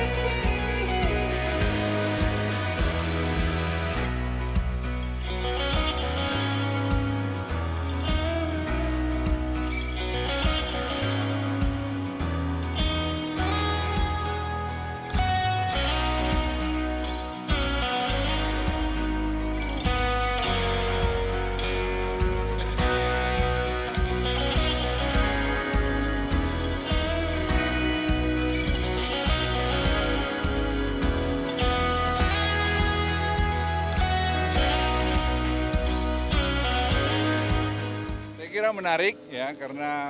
saya kira menarik ya karena